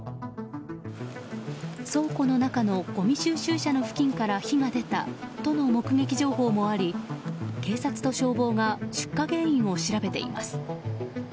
倉庫の中のごみ収集車の付近から火が出たとの目撃情報もあり警察と消防が出火原因を調べています。